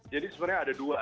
jadi sebenarnya ada dua